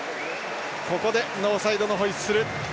ここでノーサイドのホイッスル。